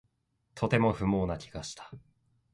とても不毛な気がした